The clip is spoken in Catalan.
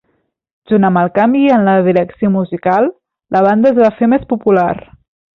Junt amb el canvi en la direcció musical, la banda es va fer més popular.